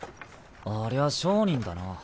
ありゃ商人だな。